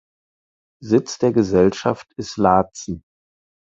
Sitz der Gesellschaft ist Laatzen.